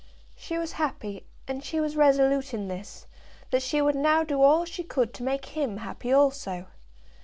She was happy, and she was resolute in this, that she would now do all she could to make him happy also.